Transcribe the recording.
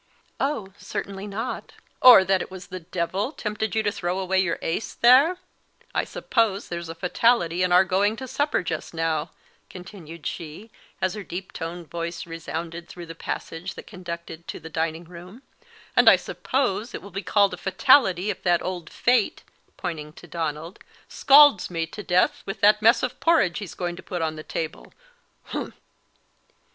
"Oh, certainly not." "Or that it was the devil tempted you to throw away your ace there? I suppose there's a fatality in our going to supper just now," continued she, as her deep toned voice resounded through the passage that conducted to the dining room; "and I suppose it will be called a fatality if that old Fate," pointing to Donald, "scalds me to death with that mess of porridge he's going to put on the table humph!"